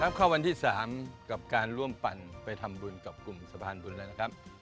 เข้าวันที่๓กับการร่วมปั่นไปทำบุญกับกลุ่มสะพานบุญแล้วนะครับ